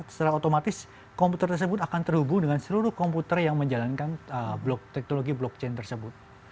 secara otomatis komputer tersebut akan terhubung dengan seluruh komputer yang menjalankan teknologi blockchain tersebut